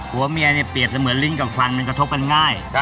หัวเมียเนี่ยเปรียบเสมือนลิงก์กับฟันมันกระทบกันง่าย